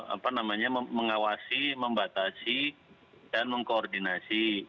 apa namanya mengawasi membatasi dan mengkoordinasi